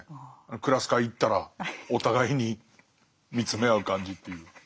クラス会行ったらお互いに見つめ合う感じっていう。